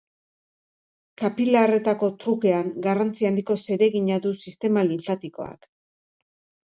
Kapilarretako trukean, garrantzi handiko zeregina du sistema linfatikoak.